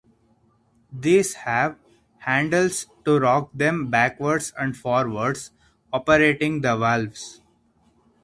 These have handles to rock them backwards and forwards operating the valves.